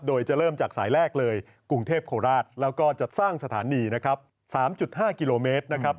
โดยจะเริ่มจากสายแรกเลยกรุงเทพโคราชแล้วก็จัดสร้างสถานีนะครับ๓๕กิโลเมตรนะครับ